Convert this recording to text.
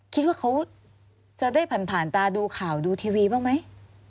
คิดว่าเขาจะได้ผ่านตาดูข่าวดูทีวีบ้างไหม